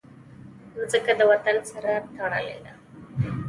مځکه د وطن سره تړلې ده.